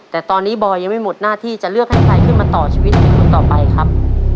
แต่ตอนนี้บอยยังไม่หมดหน้าที่จะเลือกให้ใครขึ้นมาต่อชีวิตเป็นคนต่อไปครับ